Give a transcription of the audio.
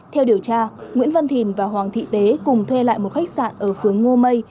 theo điều tra nguyễn văn thìn và hoàng thị tế cùng thuê lại một khách sạn ở phương ngô mây